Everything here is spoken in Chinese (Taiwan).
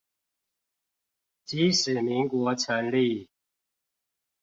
即使民國成立